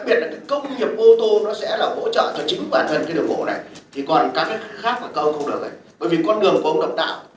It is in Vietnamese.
bởi vì con đường của ông đọc đạo chính là các ông là con người đơn đặc